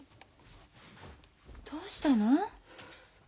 どうしたの？